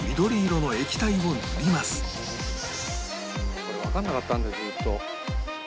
「これわかんなかったんだよずっと」